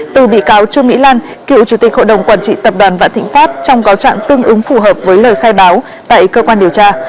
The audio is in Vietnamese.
từ bị cáo trương mỹ lan cựu chủ tịch hội đồng quản trị tập đoàn vạn thịnh pháp trong cáo trạng tương ứng phù hợp với lời khai báo tại cơ quan điều tra